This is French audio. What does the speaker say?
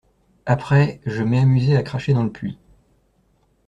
Après… je m’ai amusé à cracher dans le puits.